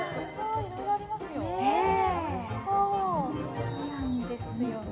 そうなんですよね。